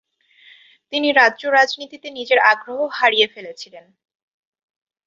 তিনি রাজ্য রাজনীতিতে নিজের আগ্রহ হারিয়ে ফেলেছিলেন।